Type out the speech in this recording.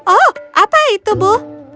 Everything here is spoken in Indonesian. oh apa itu bu